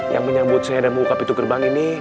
yang menyambut saya dan mengungkapi itu gerbang ini